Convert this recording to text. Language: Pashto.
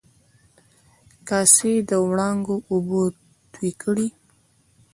کاسي د و ړانګو د اوبو توی کړي